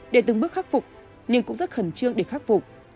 để từng bước khắc phục nhưng cũng rất khẩn trương để khắc phục